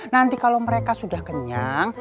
nanti kalau mereka sudah kenyang